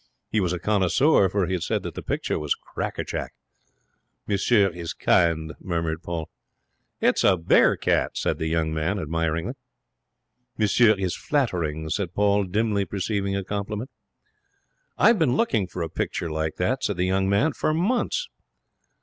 He was a connoisseur, for he had said that the picture was a crackerjack. 'Monsieur is kind,' murmured Paul. 'It's a bear cat,' said the young man, admiringly. 'Monsieur is flattering,' said Paul, dimly perceiving a compliment. 'I've been looking for a picture like that,' said the young man, 'for months.'